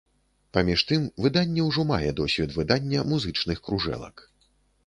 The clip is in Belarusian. Паміж тым выданне ўжо мае досвед выдання музычных кружэлак.